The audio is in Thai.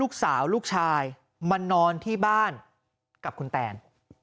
ลูกชายลูกชายมานอนที่บ้านกับคุณแตน